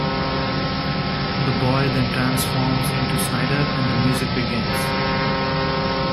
The boy then transforms into Snider and the music begins.